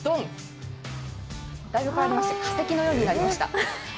だいぶ変わりまして、化石のようになりました。